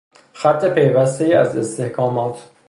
خط پیوستهای از استحکامات